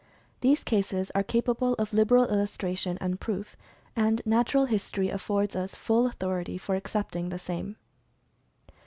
These cases are capable of liberal illustration and proof, and natural history affords us full authority for accepting the same.